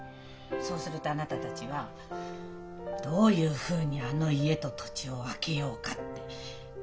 そうするとあなたたちは「どういうふうにあの家と土地を分けようか」って話すわよね。